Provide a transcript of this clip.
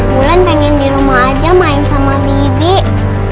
bulan pengen di rumah aja main sama midi